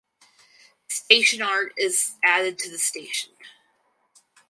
Station art is added to the station.